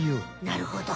なるほど。